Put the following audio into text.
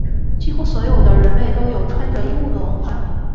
几乎所有的人类都有穿着衣物的文化。